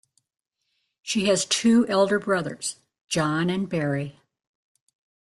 She has two elder brothers, John and Barry.